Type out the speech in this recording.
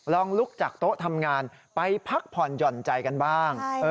ลองลุกจากโต๊ะทำงานไปพักผ่อนหย่อนใจกันบ้าง